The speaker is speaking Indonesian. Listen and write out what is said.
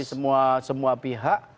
betul jadi semua pihak